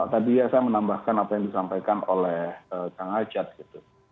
tadi ya saya menambahkan apa yang disampaikan oleh kang ajat gitu